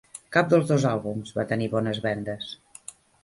Cap dels dos àlbums va tenir bones vendes.